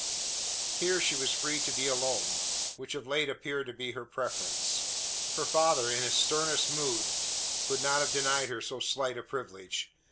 Here she was free to be alone; which of late appeared to be her preference. Her father, in his sternest mood, could not have denied her so slight a privilege.